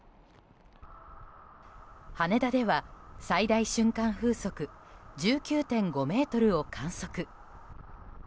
羽田では最大瞬間風速１９．５メートルを観測。